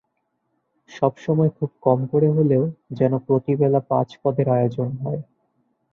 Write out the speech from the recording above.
সবসময় খুব কম করে হলেও যেন প্রতি বেলা পাঁচ পদের আয়োজন হয়।